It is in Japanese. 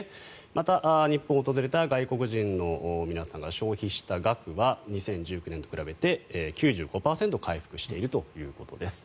また日本を訪れた外国人の皆さんが消費した額は２０１９年と比べて９５％回復しているということです。